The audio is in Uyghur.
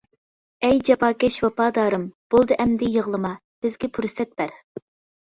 ئەي جاپاكەش ۋاپادارىم، بولدى ئەمدى يىغلىما، بىزگە پۇرسەت بەر!